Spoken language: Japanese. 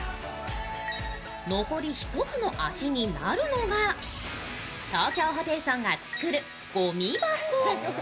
残り１つの脚になるのが、東京ホテイソンが作るごみ箱。